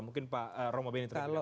mungkin pak romo beni terlebih dahulu